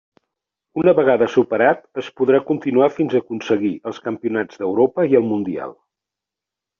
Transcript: Una vegada superat, es podrà continuar fins a aconseguir els campionats d'Europa i el Mundial.